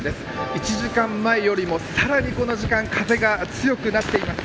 １時間前よりもさらにこの時間風が強くなっています。